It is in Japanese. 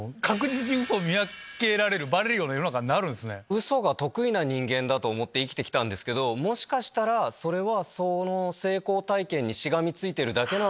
ウソが得意な人間だと思って生きてきたんですけどもしかしたらそれは。